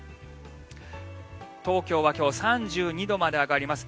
東京は今日３２度まで上がります。